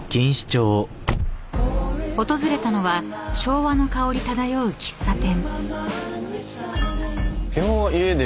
［訪れたのは昭和の香り漂う喫茶店］